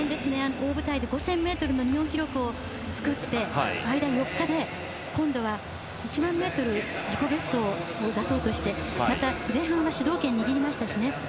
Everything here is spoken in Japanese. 大舞台で、５０００ｍの日本記録を作って、間４日で今度は１００００ｍ自己ベストを超そうとして前半は主導権を握りましたしね。